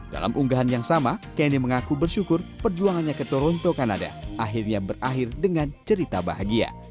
dalam unggahan yang sama kenny mengaku bersyukur perjuangannya ke toronto kanada akhirnya berakhir dengan cerita bahagia